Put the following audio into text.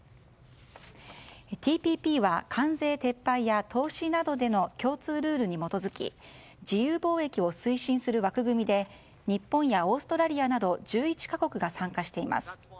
ＴＰＰは関税撤廃や投資などでの共通ルールに基づき自由貿易を推進する枠組みで日本やオーストラリアなど１１か国が参加しています。